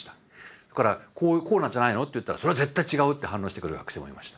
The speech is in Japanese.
それから「こうなんじゃないの？」って言ったら「それ絶対違う！」って反論してくる学生もいました。